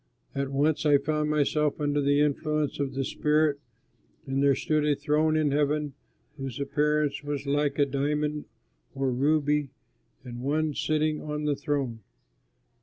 At once I found myself under the influence of the Spirit, and there stood a throne in heaven whose appearance was like a diamond or ruby and One was sitting on the throne.